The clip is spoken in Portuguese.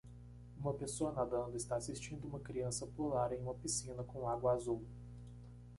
Uma pessoa nadando está assistindo uma criança pular em uma piscina com água azul.